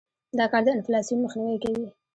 دا کار د انفلاسیون مخنیوى کوي.